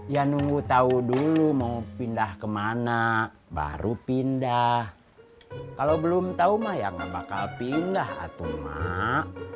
ya nunggu tahu dulu mau pindah kemana baru pindah kalau belum tahu mah ya nggak bakal pindah atau mak